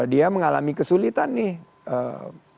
dia mengalami kesulitan nih